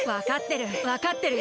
わかってる。